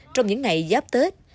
trong những ngày giáp tết